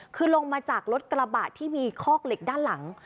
คือลงมาจากรถกระบะที่มีคอกเหล็กด้านหลัง